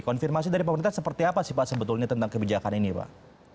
konfirmasi dari pemerintah seperti apa sih pak sebetulnya tentang kebijakan ini pak